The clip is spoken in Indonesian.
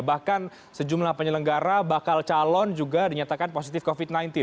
bahkan sejumlah penyelenggara bakal calon juga dinyatakan positif covid sembilan belas